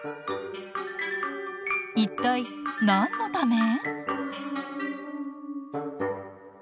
一体何のため？